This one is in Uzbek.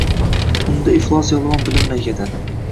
Unda iflos yolg’on bilinmay ketadi…